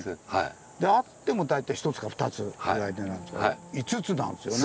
あっても大体１つか２つぐらいでなんですけど５つなんですよね。